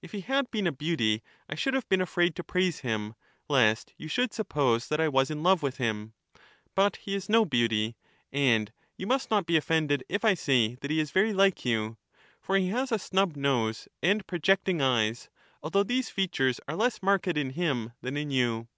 If he had been a beauty I should have been afraid to praise him, lest you in answer" should suppose that I was in love with him ; but he is no expatiates beauty, and you must not be offended if I say that he is Merits of very like you ; for he has a snub nose and projecting eyes, Theaetetus, although these features are less marked in him than in you.